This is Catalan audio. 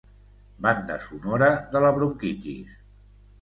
Banda sonora de la bronquitis.